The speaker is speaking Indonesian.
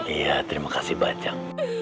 iya terima kasih bacang